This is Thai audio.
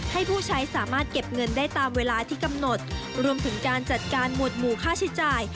ผู้ใช้สามารถเก็บเงินได้ตามเวลาที่กำหนดรวมถึงการจัดการหมวดหมู่ค่าใช้จ่าย